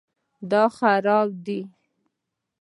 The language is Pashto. دا خراب دی